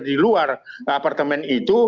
di luar apartemen itu